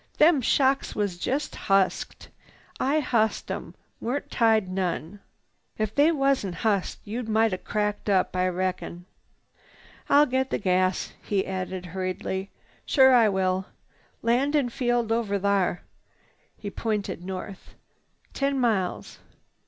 "Them shocks was just husked. I husked 'em. Weren't tied none. If they wasn't husked you'd might nigh cracked up, I reckon. "I'll get the gas," he added hurriedly. "Sure I will. Landin' field over thar." He pointed north. "Ten miles.